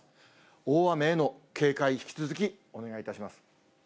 大雨への警戒、引き続きお願いいたします。